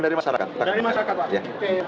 kami mengetahui pak bibi tanya